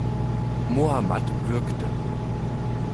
Mohammad würgte.